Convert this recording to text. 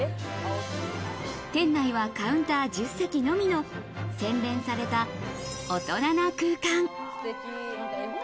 店内はカウンター１０席のみの洗練された大人な空間。